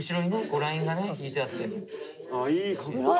ラインがね引いてあって。